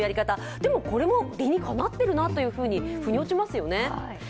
でも、これも理にかなっているなとふに落ちますよね。